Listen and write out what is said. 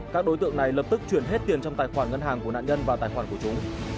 các đối tượng này lập tức chuyển hết tiền trong tài khoản ngân hàng của nạn nhân vào tài khoản của chúng